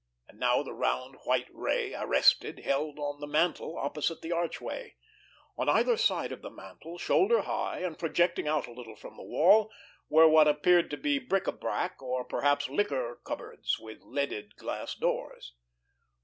And now the round white ray, arrested, held on the mantel opposite the archway. On either side of the mantel, shoulder high, and projecting out a little from the wall, were what appeared to be bric a brac, or, perhaps, liqueur cupboards, with leaded glass doors.